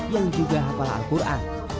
yang juga hafal al quran